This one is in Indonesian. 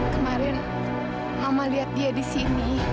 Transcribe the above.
kemarin mama lihat dia disini